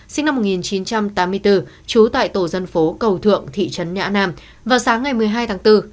sinh năm một nghìn chín trăm tám mươi bốn trú tại tổ dân phố cầu thượng thị trấn nhã nam vào sáng ngày một mươi hai tháng bốn